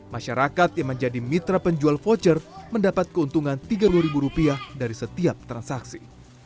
masyarakat yang menjadi mitra penjual voucher mendapat keuntungan rp tiga puluh ribu rupiah dari setiap transaksi